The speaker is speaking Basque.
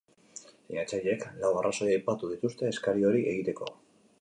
Sinatzaileek lau arrazoi aipatu dituzte eskari hori egiteko.